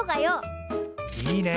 いいね。